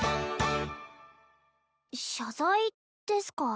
謝罪ですか？